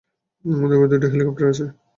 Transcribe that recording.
আমাদের উপরে দুটো হেলিকপ্টার আছে।